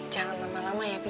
jangan lama lama ya